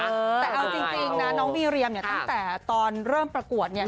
แต่เอาจริงนะน้องบีเรียมเนี่ยตั้งแต่ตอนเริ่มประกวดเนี่ย